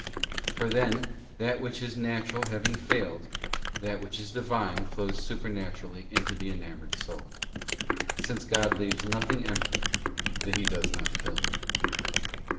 For then that which is natural having failed, that which is Divine flows supernaturally into the enamoured soul; since God leaves nothing empty that He does not fill.